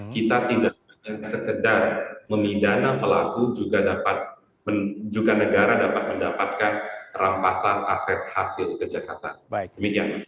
kita tidak sekedar memindana pelaku juga negara dapat mendapatkan rampasan aset hasil ke jakarta